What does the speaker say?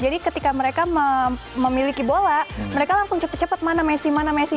jadi ketika mereka memiliki bola mereka langsung cepet cepet mana messi mana messi